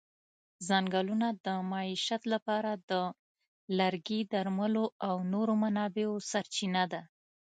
ځنګلونه د معیشت لپاره د لرګي، درملو او نورو منابعو سرچینه ده.